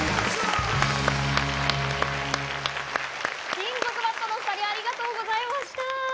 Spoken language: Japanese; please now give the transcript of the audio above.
金属バットの２人ありがとうございました。